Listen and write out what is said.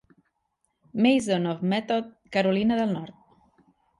Mason of Method, Carolina del Nord.